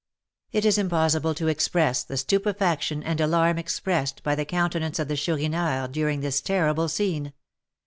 It is impossible to express the stupefaction and alarm expressed by the countenance of the Chourineur during this terrible scene.